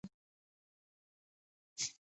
Come on!